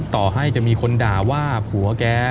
ต่อให้จะมีคนด่าว่าผัวแก